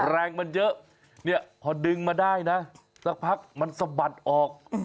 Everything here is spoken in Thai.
แรงมันเยอะเนี่ยพอดึงมาได้นะสักพักมันสะบัดออก